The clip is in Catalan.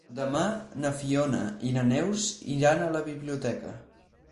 Demà na Fiona i na Neus iran a la biblioteca.